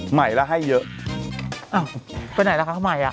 ใหม่แล้วให้เยอะอ้าวไปไหนแล้วคะใหม่อ่ะ